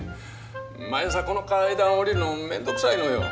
毎朝この階段下りるのめんどくさいのよ。